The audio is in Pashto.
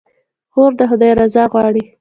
خور د خدای رضا غواړي.